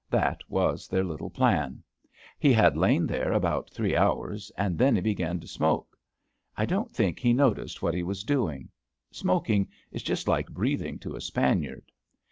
That was their little plan. He had lain there about three hours, and then he began to smoke. I don't think he noticed what he was doing: smoking is just like breathing to a Span iard.